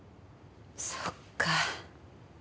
そっか。